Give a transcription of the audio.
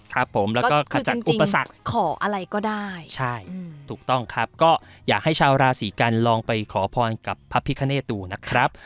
ครับผมแล้วก็ขจัดอุปสรรคขออะไรก็ได้ใช่ถูกต้องครับก็อยากให้ชาวราศีกันลองไปขอพรกับพระพิคเนตดูนะครับ